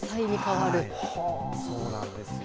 そうなんですよ。